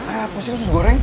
apa sih usus goreng